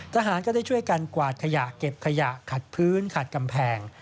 ทหารก็ได้ช่วยกันกวาดขยะเก็บขยะขัดพื้นขัดกำแพง